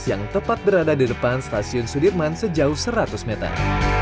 yang tepat berada di depan stasiun sudirman sejauh seratus meter